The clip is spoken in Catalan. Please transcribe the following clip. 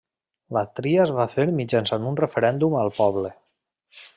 La tria es va fer mitjançant un referèndum al poble.